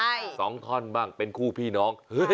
ใช่สองท่อนบ้างเป็นคู่พี่น้อง